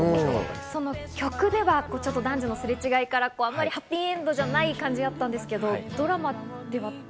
曲では男女のすれ違いから、あまりハッピーエンドじゃない感じだったんですけど、ドラマでは。